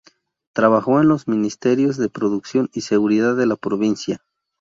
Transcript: Trabajó en los ministerios de Producción y Seguridad de la Provincia.